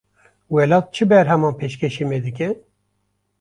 Welat çi berheman pêşkêşî me dike?